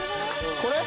これ？